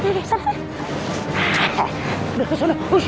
bisa aku pasti mengelmarksih